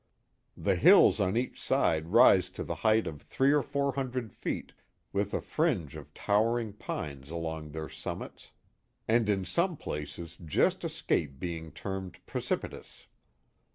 The hills on each side rise to the height of three or four hun dred feet, with a fringe of towering pines along their summits, and in some places just escape being termed precipitous.